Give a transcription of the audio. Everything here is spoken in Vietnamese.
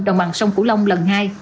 đồng bằng sông cửu long lần hai